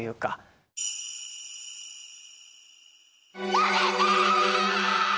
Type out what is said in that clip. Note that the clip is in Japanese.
やめて！